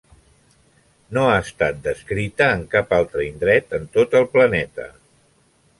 No ha estat descrita en cap altre indret en tot el planeta.